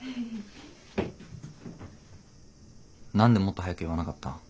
何でもっと早く言わなかった？